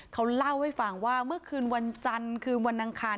เขาเล่าให้ฟังว่าเมื่อคืนวันจันทร์